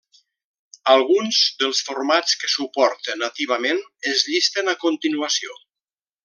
Alguns dels formats que suporta nativament es llisten a continuació.